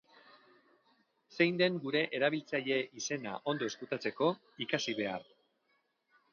Zein den gure erabiltzaile-izena ondo ezkutatzeko, ikasi behar.